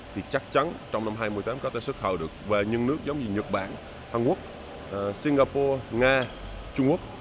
thì chắc chắn trong năm hai nghìn một mươi tám có thể xuất khẩu được về những nước giống như nhật bản hàn quốc singapore nga trung quốc